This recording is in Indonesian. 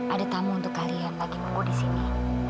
ada tamu untuk kalian lagi mau di sini